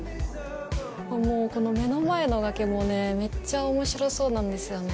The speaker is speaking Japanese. もうこの目の前の崖もめっちゃおもしろそうなんですよね。